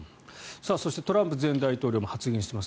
そしてトランプ前大統領も発言しています。